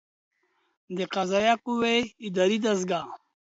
د قضائیه قوې اداري دستګاه